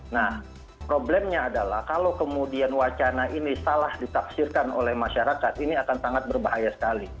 nah problemnya adalah kalau kemudian wacana ini salah ditafsirkan oleh masyarakat ini akan sangat berbahaya sekali